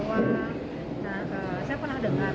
nah saya pernah dengar